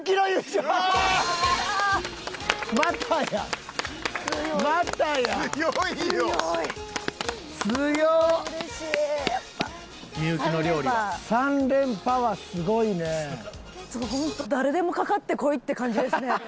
ちょっとホント誰でもかかってこい！って感じですね